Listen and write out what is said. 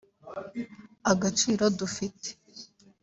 Agaciro dufite